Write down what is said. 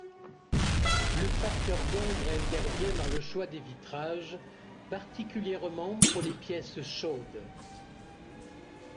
Le facteur d'ombre intervient dans le choix des vitrages, particulièrement pour les pièces chaudes.